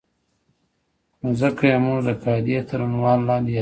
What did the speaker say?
نو ځکه یې موږ د قاعدې تر عنوان لاندې یادوو.